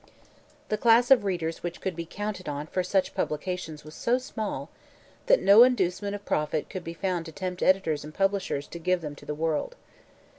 The class of readers which could be counted on for such publications was so small that no inducement of profit could be found to tempt editors and publishers to give them to the world.